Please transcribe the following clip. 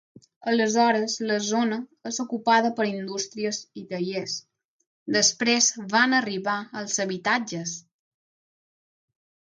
Aleshores, la zona és ocupada per indústries i tallers, després van arribar els habitatges.